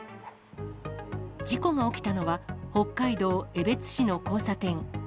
事故が起きたのは、北海道江別市の交差点。